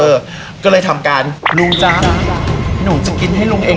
ดีนะที่แบบว่าข้างหน้มันมีต้นไม้